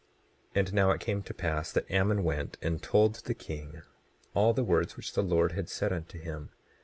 27:13 And now it came to pass that Ammon went and told the king all the words which the Lord had said unto him.